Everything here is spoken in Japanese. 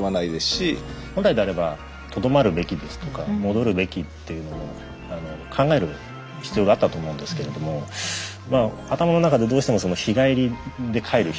本来であればとどまるべきですとか戻るべきっていうのも考える必要があったと思うんですけれども頭の中でどうしても日帰りで帰る日帰りで帰るっていう思いがですね